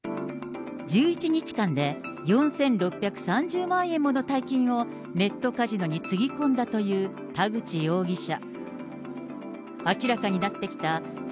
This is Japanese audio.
１１日間で４６３０万円もの大金をネットカジノにつぎ込んだという田口容疑者。